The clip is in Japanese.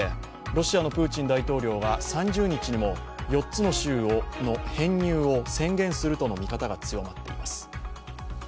ロシアのプーチン大統領が３０日にも４つの州の編入を宣言するとの見方が強まっています。